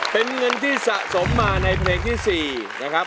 เป็นเงินที่สะสมมาในเพลงที่๔นะครับ